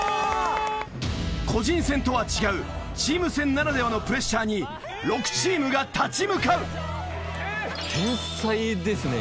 個人戦とは違うチーム戦ならではのプレッシャーに６チームが立ち向かう。